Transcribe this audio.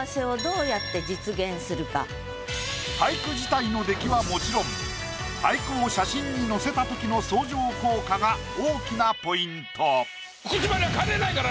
俳句自体の出来はもちろん俳句を写真に載せた時の相乗効果が大きなポイント。